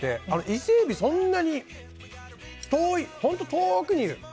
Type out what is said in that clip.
伊勢えび、そんなに本当に遠くにいる。